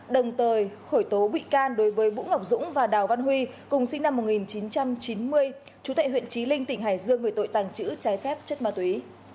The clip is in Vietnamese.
đồng thời khởi tố bị can đối với vũ ngọc dũng và đào văn huy cùng sinh năm một nghìn chín trăm chín mươi chú tệ huyện trí linh tỉnh hải dương về tội tàng trữ trái phép chất ma túy